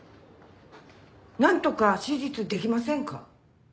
なんとか手術できませんか？